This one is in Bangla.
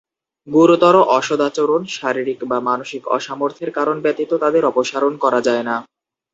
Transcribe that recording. গুরুতর অসদাচরণ, শারীরিক বা মানসিক অসামর্থ্যের কারণ ব্যতীত তাদের অপসারণ করা যায় না।